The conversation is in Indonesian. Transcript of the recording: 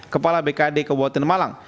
kepala bkd kabupaten malang